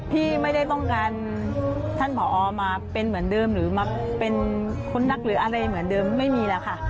พี่ไม่ได้ต้องการท่านผอมาเป็นเหมือนเดิมหรือมาเป็นคนนักหรืออะไรเหมือนเดิมไม่มีแล้วค่ะ